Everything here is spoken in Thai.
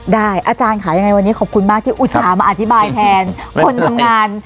อาจารย์ค่ะยังไงวันนี้ขอบคุณมากที่อุตส่าห์มาอธิบายแทนคนทำงาน